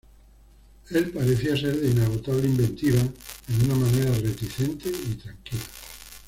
Él parecía ser de inagotable inventiva en una manera reticente y tranquila.